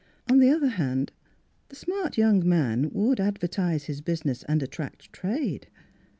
On the other hand the smart young man would adver tise his business and attract trade.